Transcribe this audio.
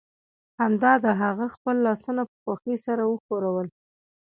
همدا ده هغه خپل لاسونه په خوښۍ سره وښورول